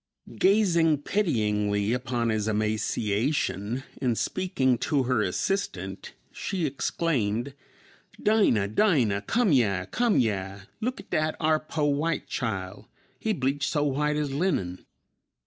Gazing pityingly upon his emaciation, and speaking to her assistant, she exclaimed, "Dinah, Dinah, come yeah, come yeah; look at dat ar' po' white chile; he bleached so white as linen!"